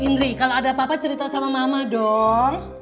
indri kalau ada apa apa cerita sama mama dong